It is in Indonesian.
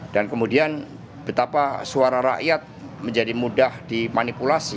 dan kemudian betapa suara rakyat menjadi mudah dimanipulasi